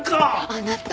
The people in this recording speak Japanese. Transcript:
あなた。